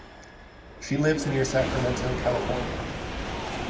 She lives near Sacramento, California.